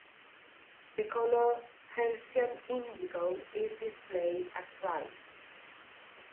The color Persian indigo is displayed at right.